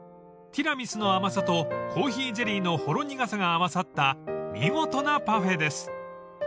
［ティラミスの甘さとコーヒーゼリーのほろ苦さが合わさった見事なパフェです］